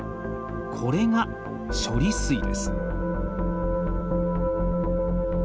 これが処理水です。